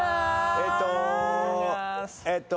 えーっとえーっと。